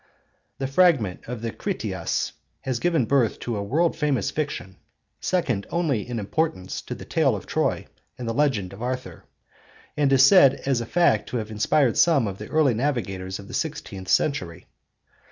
The fragment of the Critias has given birth to a world famous fiction, second only in importance to the tale of Troy and the legend of Arthur; and is said as a fact to have inspired some of the early navigators of the sixteenth century.